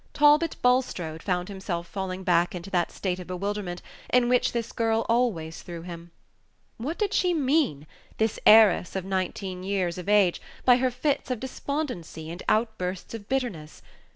Talbot Bulstrode found himself falling back into that state of bewilderment in which this girl always threw him. What did she mean, this heiress of nineteen years of age, by her fits of despondency and outbursts of bitterness?